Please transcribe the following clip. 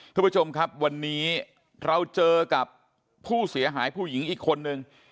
ทุกผู้ชมครับวันนี้เราเจอกับผู้เสียหายผู้หญิงอีกคนนึง